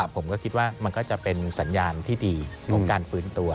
ผมก็คิดว่ามันก็จะเป็นสัญญาณที่ดีของการฟื้นตัว